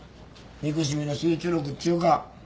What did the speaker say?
憎しみの集中力っちゅうか。